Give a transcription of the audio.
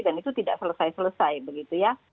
dan itu tidak selesai selesai begitu ya